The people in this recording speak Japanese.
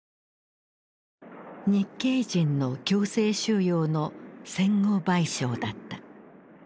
日系人の強制収容の戦後賠償だった。